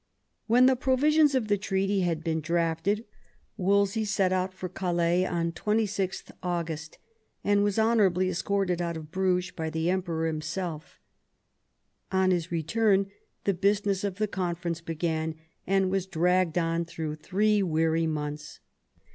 When the provisions of the treaty had been drafted, Wolsey set out for Calais on 26th August^ and was honourably escorted out of Bruges by the Emperor him sell On his return the business of the conference began, and was dragged on through three weary months.